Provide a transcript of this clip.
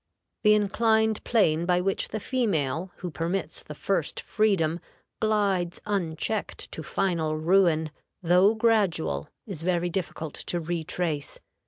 The inclined plane by which the female who permits the first freedom glides unchecked to final ruin, though gradual, is very difficult to retrace.